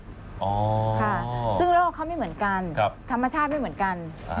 ค่ะซึ่งโลกเขาไม่เหมือนกันธรรมชาติไม่เหมือนกัน